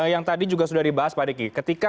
yang tadi juga sudah dibahas pak diki ketika